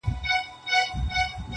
رند به په لاسو کي پیاله نه لري!!